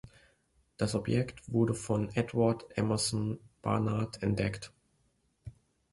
Das Objekt wurde von Edward Emerson Barnard entdeckt.